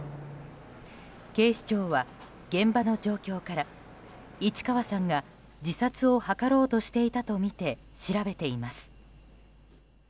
警視庁は、現場の状況から市川さんが自殺を図ろうとしていたとみて調べています。